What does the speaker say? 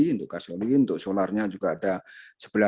untuk gasolin untuk solarnya juga ada